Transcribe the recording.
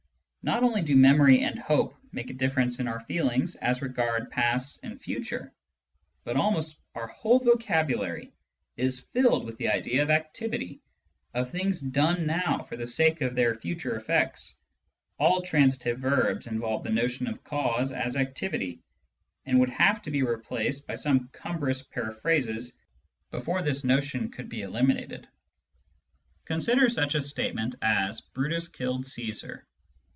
Not only do memory and hope make a difference in oiu feelings as regards past and future, but almost our whole vocabulary is filled with the idea of activity, of things done now for the sake of their future effects. All transitive verbs involve the notion of cause as activity, and would have to be replaced by some cumbrous peri phrasis before this notion could be eliminated. Consider such a statement as, " Brutus killed Caesar."